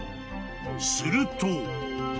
［すると］